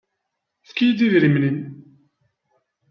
Efk-iyi-d idrimen-nnem.